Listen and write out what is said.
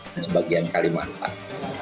dan sebagian kalimantan